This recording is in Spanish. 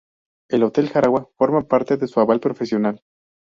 El hotel Jaragua forma parte de su aval profesional.